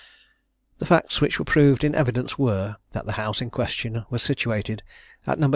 The facts which were proved in evidence were, that the house in question was situated at No.